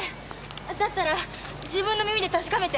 だったら自分の耳で確かめて。